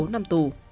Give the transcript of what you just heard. bốn năm tù